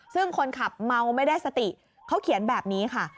ซึ่งคนขับเมาไม่ได้สติเขาเขียนแบบนี้ค่ะ